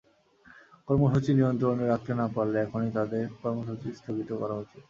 কর্মসূচি নিয়ন্ত্রণে রাখতে না পারলে এখনই তঁাদের কর্মসূচি স্থগিত করা উচিত।